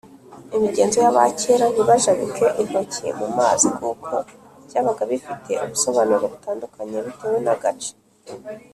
imigenzo y’abakera ntibajabike intoki mu mazi kuko byabaga bifite ubusobanuro butandukanye bitewe n’agace.